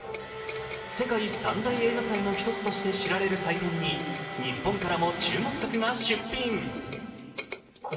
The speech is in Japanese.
世界三大映画祭の一つとして知られる祭典に日本からも注目作が出品。